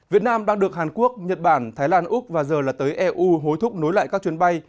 việt nam đang được hàn quốc nhật bản thái lan úc và giờ là tới eu hối thúc nối lại các chuyến bay